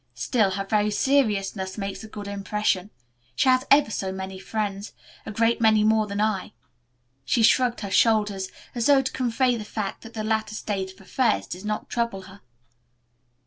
Still her very seriousness makes a good impression. She has ever so many friends; a great many more than I." She shrugged her shoulders, as though to convey the fact that the latter state of affairs did not trouble her.